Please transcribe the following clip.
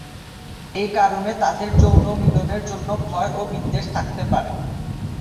এ কারণে তাদের যৌন মিলনের জন্য ভয় ও বিদ্বেষ থাকতে পারে।